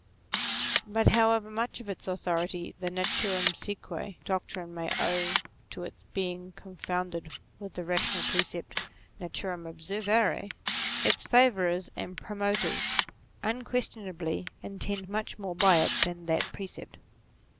But however much of its authority the " Naturam sequi " doctrine may owe to its being confounded with the rational precept "Naturam observare," its favourers and promoters unquestionably intend much more by it than that precept.